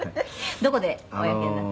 どこでお焼けになった」